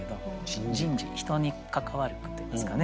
人事人に関わる句といいますかね。